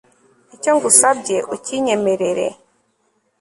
icyo ngusabye ucyinyemerere